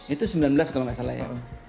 itu sembilan belas kalau nggak salah ya